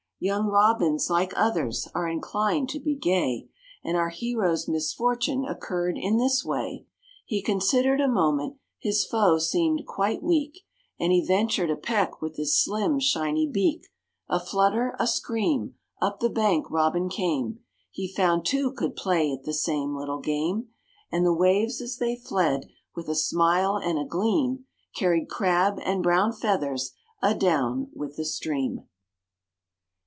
Young Robins, like "others," are inclined to be "gay," And our hero's misfortune occurred in this way: He considered a moment; his foe seemed quite weak, And he ventured a peck with his slim, shiny beak. A flutter, a scream up the bank Robin came; He found two could play at the same little game, And the waves as they fled, with a smile and a gleam, Carried crab and brown feathers adown with the stream.